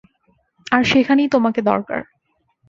আর সেখানেই তোমাকে দরকার।